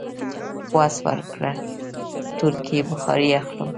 وس ورکړ، تورکي بخارۍ اخلم.